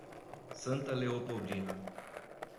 Santa Leopoldina